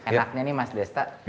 enaknya nih mas desta